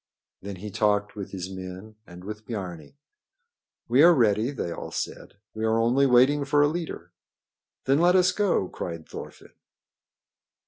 Then he talked with his men and with Biarni. "We are ready," they all said. "We are only waiting for a leader." "Then let us go!" cried Thorfinn.